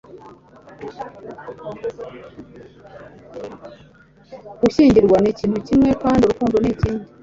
Gushyingirwa ni ikintu kimwe kandi urukundo ni ikindi